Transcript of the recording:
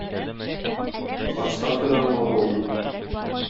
Отставкадагы полковник.